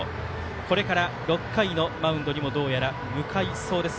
これから６回のマウンドにもどうやら向かいそうです。